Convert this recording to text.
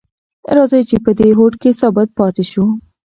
راځئ چې په دې هوډ کې ثابت پاتې شو.